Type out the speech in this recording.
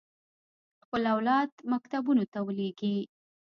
خپل اولاد مکتبونو ته ولېږي.